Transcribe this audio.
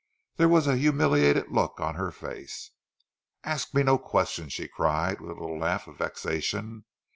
There was a humiliated look on her face. "Ask me no questions," she cried with a little laugh of vexation.